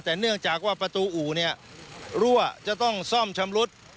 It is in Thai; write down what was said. แต่เนื่องจากว่าประตูอู่เนี่ยรั่วจะต้องซ่อมชำรุด